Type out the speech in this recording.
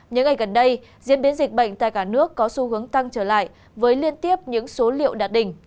những ngày gần đây diễn biến dịch bệnh tại cả nước có xu hướng tăng trở lại với liên tiếp những số liệu đạt đỉnh